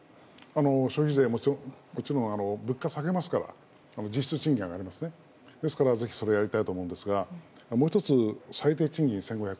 消費税はもちろん物価を下げますから実質、賃金は上がりますのでやりたいと思いますがもう１つ、最低賃金１５００円。